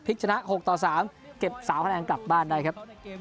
พลิกชะนั้นหกต่อสามเก็บสามคะแนนกลับบ้านได้ครับ